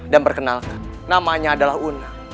dan perkenalkan namanya adalah una